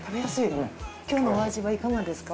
今日のお味はいかがですか？